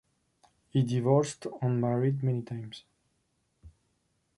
He divorced and married many times.